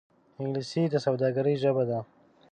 انګلیسي د سوداگرۍ ژبه ده